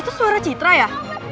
itu suara citra ya